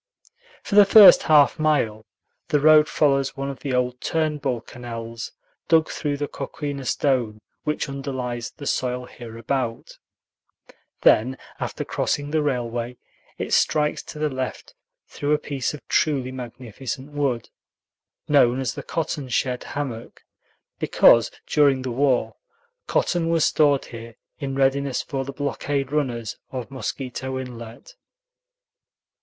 For the first half mile the road follows one of the old Turnbull canals dug through the coquina stone which underlies the soil hereabout; then, after crossing the railway, it strikes to the left through a piece of truly magnificent wood, known as the cotton shed hammock, because, during the war, cotton was stored here in readiness for the blockade runners of Mosquito Inlet.